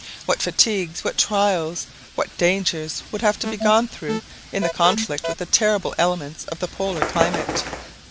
What fatigues, what trials, what dangers would have to be gone through in the conflict with the terrible elements of the Polar climate!